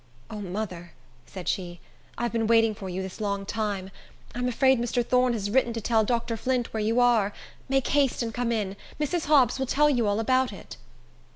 "O, mother," said she, "I've been waiting for you this long time. I'm afraid Mr. Thorne has written to tell Dr. Flint where you are. Make haste and come in. Mrs. Hobbs will tell you all about it!"